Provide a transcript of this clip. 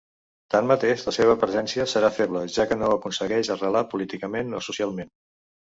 Tanmateix la seva presència serà feble, ja que no aconsegueix arrelar políticament o socialment.